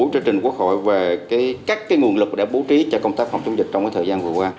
cho trình quốc hội về các nguồn lực để bố trí cho công tác phòng chống dịch trong thời gian vừa qua